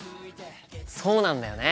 そうなんだよね。